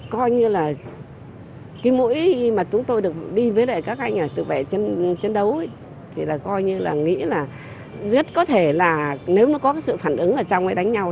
coi như là cái mũi mà chúng tôi được đi với lại các anh ở tự vệ trên chiến đấu ấy thì là coi như là nghĩ là rất có thể là nếu nó có cái sự phản ứng ở trong ấy đánh nhau